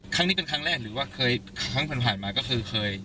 ครั้งนี้เป็นครั้งแรกหรือว่าเคยครั้งผ่านผ่านมาก็คือเคย